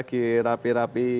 kisah punya dapet